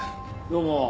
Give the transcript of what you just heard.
どうも。